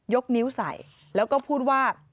นิ้วใส่แล้วก็พูดว่า